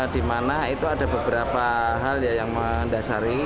di mana itu ada beberapa hal yang mendasari